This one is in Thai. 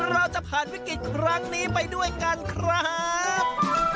เราจะผ่านวิกฤตครั้งนี้ไปด้วยกันครับ